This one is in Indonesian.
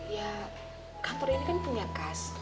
ya kantor ini kan punya kas